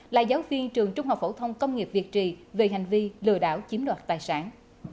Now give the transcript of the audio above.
là giáo viên trường trung học phổ thông công nghiệp việt trì về hành vi lừa đảo chiếm đoạt tài sản